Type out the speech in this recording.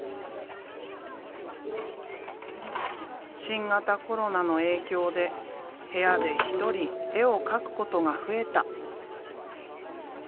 新型コロナの影響で部屋で一人絵を描くことが増えた。